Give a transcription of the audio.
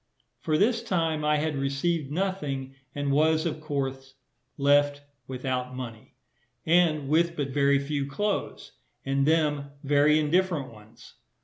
For this time I had received nothing, and was, of course, left without money, and with but very few clothes, and them very indifferent ones.